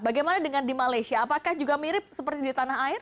bagaimana dengan di malaysia apakah juga mirip seperti di tanah air